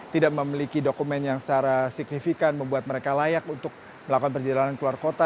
tidak memiliki dokumen yang secara signifikan membuat mereka layak untuk melakukan perjalanan keluar kota